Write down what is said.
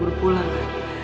aku di mana